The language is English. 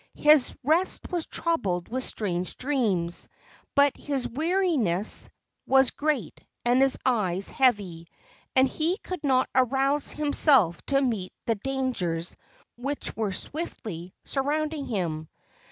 His rest was troubled with strange dreams, but his weariness was great and his eyes heavy, and he could not arouse himself to meet the dangers which were swiftly surrounding him.